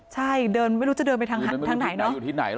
ใช่เดินไม่รู้จะเดินไปทางไหนเนาะ